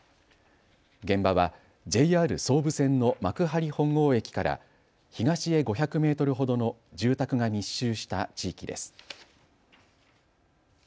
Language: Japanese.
現場はＪＲ総武線の幕張本郷駅から東へ５００メートルほどの住宅が密集した地域です。